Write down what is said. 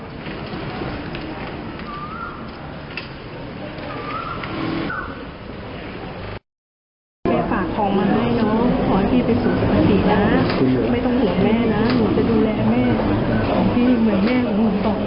ลูกชายวัย๑๒ขวบบวชหน้าไฟให้กับพุ่งชนจนเสียชีวิตแล้วนะครับ